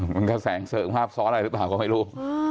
มันก็แสงเสริงภาพซ้อนอะไรหรือเปล่าก็ไม่รู้